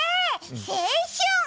青春。